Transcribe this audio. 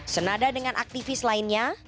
senada dengan aktivis lainnya